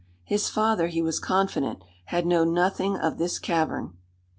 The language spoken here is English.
His father, he was confident, had known nothing of this cavern.